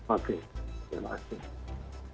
oke terima kasih